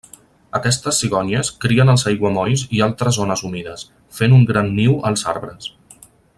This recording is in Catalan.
Aquestes cigonyes crien als aiguamolls i altres zones humides, fent un gran niu als arbres.